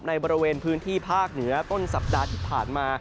บริเวณพื้นที่ภาคเหนือต้นสัปดาห์ที่ผ่านมา